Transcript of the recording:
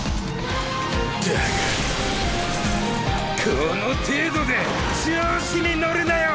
この程度で調子に乗るなよ